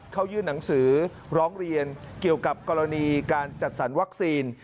เขายื่นหนังสือร้องเรียนเกี่ยวกับกรณีการจัดสรรวัคซีน